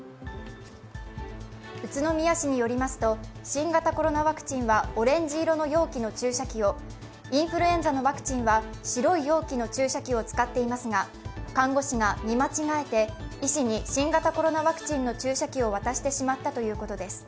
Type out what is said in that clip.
宇都宮市によりますと、新型コロナワクチンはオレンジ色の容器の注射器をインフルエンザのワクチンは白い容器の注射器を使っていますが看護師が見間違えて、医師に新型コロナワクチンの注射器を渡してしまったということです。